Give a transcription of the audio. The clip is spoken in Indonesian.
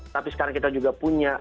tapi sekarang kita juga punya